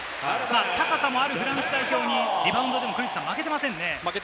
高さもあるフランス代表にリバウンドでも負けていませんね。